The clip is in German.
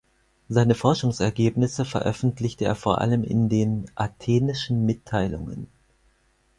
Seine Forschungsergebnisse veröffentlichte er vor allem in den "Athenischen Mitteilungen".